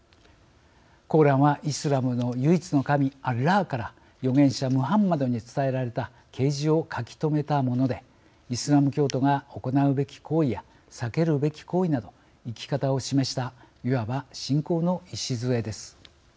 コーランはイスラムの唯一の神アッラーから預言者ムハンマドに伝えられた啓示を書き留めたものでイスラム教徒が行うべき行為や避けるべき行為など生き方を示したいわば信仰の礎です。